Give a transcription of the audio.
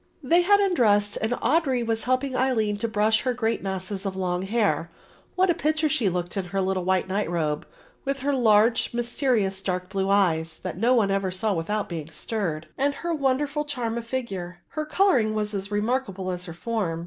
They had undressed and Audry was helping Aline to brush her great masses of long hair. What a picture she looked in her little white night robe, with her large mysterious dark blue eyes that no one ever saw without being stirred, and her wonderful charm of figure! Her colouring was as remarkable as her form.